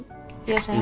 iya sayang baru boleh